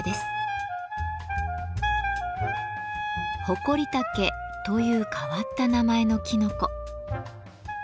ホコリタケという変わった名前のきのこ。